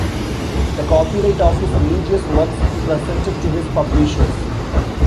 The copyright of his religious works he presented to his publishers.